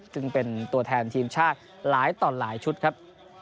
ซึ่งเป็นตัวแทนทีมชาติหลายต่อหลายชุดครับ